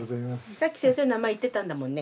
さっき先生の名前言ってたんだもんね